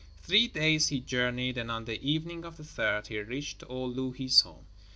Three days he journeyed, and on the evening of the third he reached old Louhi's home.